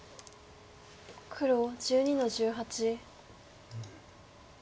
黒１２の十八。